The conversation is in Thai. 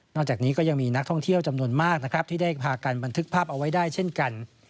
จากนี้ก็ยังมีนักท่องเที่ยวจำนวนมากนะครับที่ได้พากันบันทึกภาพเอาไว้ได้เช่นกัน